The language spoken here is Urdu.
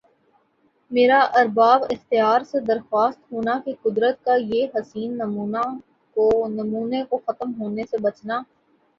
میرا ارباب اختیار سے درخواست ہونا کہ قدرت کا یِہ حسین نمونہ کو ختم ہونا سے بچنا